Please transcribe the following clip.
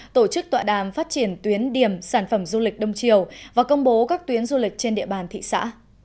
tổ chức tọa đàm phát triển tuyến điểm sản phẩm du lịch đông triều và công bố các tuyến du lịch trên địa bàn thị xã